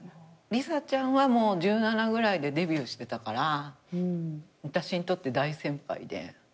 理佐ちゃんはもう１７ぐらいでデビューしてたから私にとって大先輩で。